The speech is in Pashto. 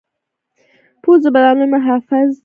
پوست د بدن لوی محافظ دی.